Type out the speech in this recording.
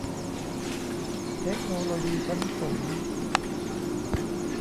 เทคโนโลยีชั้นสูง